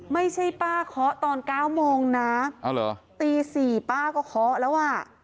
ไม่ใช่ป้าเคาะตอนเก้าโมงนะตี๔ป้าก็เคาะแล้วอ่ะ